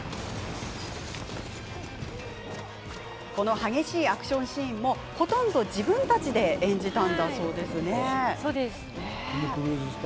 この激しいアクションシーンもほとんど自分たちで演じたんだそうです。